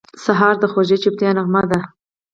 سهار د خوږې چوپتیا نغمه ده.